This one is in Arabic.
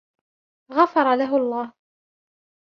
غفرله الله.